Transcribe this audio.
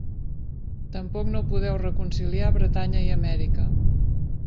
Tampoc no podeu reconciliar Bretanya i Amèrica.